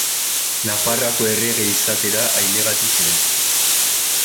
Nafarroako errege izatera ailegatu ziren.